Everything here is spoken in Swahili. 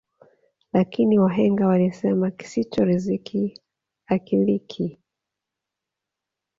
Lakini wahenga walisema kisicho riziki akiliki